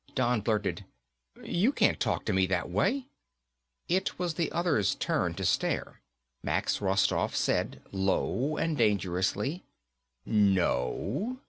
Don blurted, "You can't talk to me that way." It was the other's turn to stare. Max Rostoff said, low and dangerously, "No?